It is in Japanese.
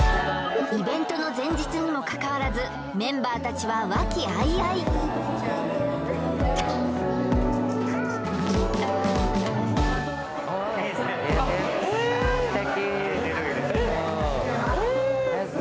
イベントの前日にもかかわらずメンバーたちは和気あいあいナチュラル素材！